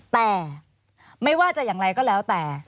แต่ไม่ว่าจะอย่างไรก็แล้วแต่